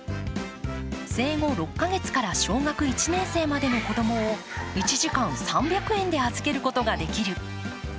生後６カ月から小学１年生までの子供を１時間３００円で預けることができる。